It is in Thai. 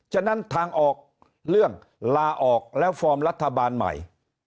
ฉะนั้นทางออกเรื่องลาออกแล้วฟอร์มรัฐบาลใหม่